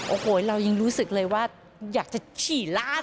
โอ้โหเรายังรู้สึกเลยว่าอยากจะฉี่ร้าน